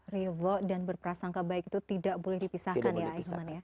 ridho dan berprasangka baik itu tidak boleh dipisahkan ya aikman ya